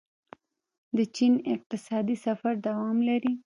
د چین اقتصادي سفر دوام لري.